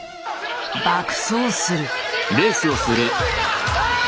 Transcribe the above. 爆走する。